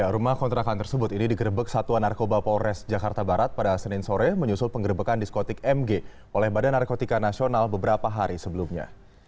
rumah kontrakan tersebut ini digerebek satuan narkoba polres jakarta barat pada senin sore menyusul penggerbekan diskotik mg oleh badan narkotika nasional beberapa hari sebelumnya